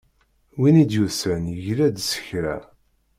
Win i d-yusan yegla-d s kra.